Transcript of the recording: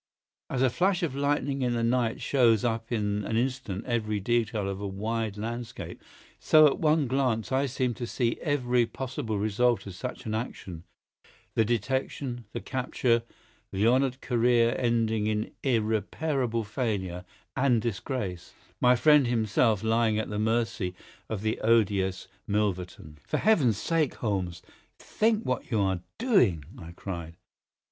As a flash of lightning in the night shows up in an instant every detail of a wide landscape, so at one glance I seemed to see every possible result of such an action—the detection, the capture, the honoured career ending in irreparable failure and disgrace, my friend himself lying at the mercy of the odious Milverton. "For Heaven's sake, Holmes, think what you are doing," I cried.